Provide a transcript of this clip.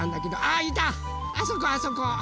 あそこあそこ！